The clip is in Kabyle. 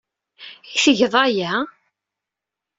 I tgeḍ aya?